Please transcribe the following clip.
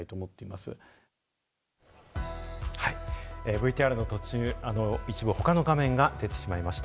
ＶＴＲの途中、一部他の画面が出てしまいました。